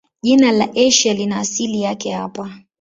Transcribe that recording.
Jina la Asia lina asili yake hapa.